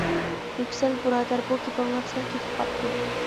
يۈكسەل بۇرادەر بۇ گېپىڭلار سەل كېتىپ قاپتۇ.